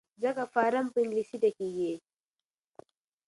ځکه فارم په انګلیسي ډکیږي.